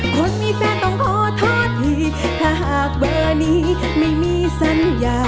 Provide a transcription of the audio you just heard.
คนมีแฟนต้องขอโทษทีถ้าหากเบอร์นี้ไม่มีสัญญา